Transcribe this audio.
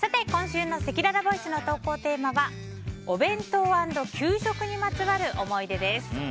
今週のせきららボイスの投稿テーマはお弁当＆給食にまつわる思い出です。